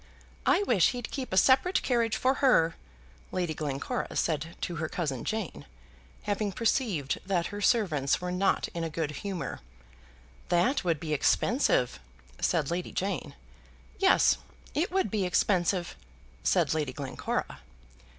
"I wish he'd keep a separate carriage for her," Lady Glencora said to her cousin Jane, having perceived that her servants were not in a good humour. "That would be expensive," said Lady Jane. "Yes, it would be expensive," said Lady Glencora.